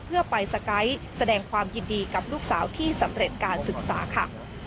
เพื่อไปสไกด์แสดงความยินดีกับลูกสาวที่สำเร็จการศึกษาค่ะ